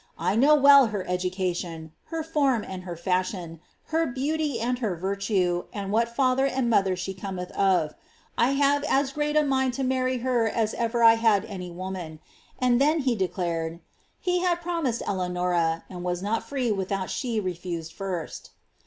1 know well her education, her form and her fashion, her beautv and her virtue, and what father and mother she cometh of. 1 liave as great a mind to marry her as ever I had to any woman ;^ aoa then he declared —^"^ he had promised Eleanora, and was not free without she refused first."